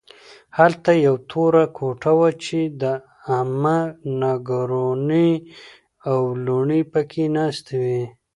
هلته یوه توره کوټه وه چې د عمه نګورانې او لوڼې پکې ناستې وې